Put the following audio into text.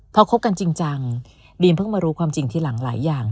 พอคบกันจริงจังบีมเพิ่งมารู้ความจริงทีหลังหลายอย่าง